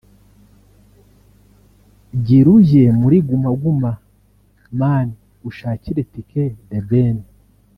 gira ujye muri Guma Guma man ushakire tike The Ben